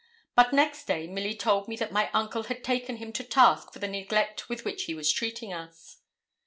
But next day Milly told me that my uncle had taken him to task for the neglect with which he was treating us.